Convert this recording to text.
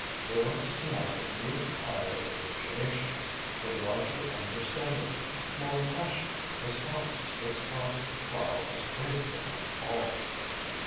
There was to night a new tide of appreciation, a larger understanding, more passionate response to this thought of Karl as greatest of them all.